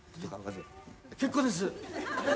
結構です。